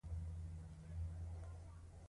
قانون او نظم ټولنه ساتي.